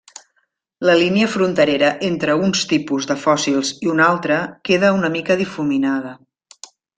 La línia fronterera entre uns tipus de fòssils i un altre queda una mica difuminada.